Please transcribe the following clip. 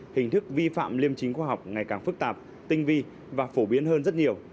hình thức vi phạm liêm chính khoa học ngày càng phức tạp tinh vi và phổ biến hơn rất nhiều